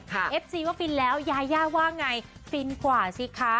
เอฟซีว่าฟินแล้วยาย่าว่าไงฟินกว่าสิคะ